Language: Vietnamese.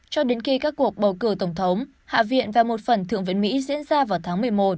cho đến khi các cuộc bầu cử tổng thống hạ viện và một phần thượng viện mỹ diễn ra vào tháng một mươi một